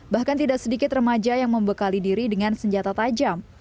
bahkan tidak sedikit remaja yang membekali diri dengan senjata tajam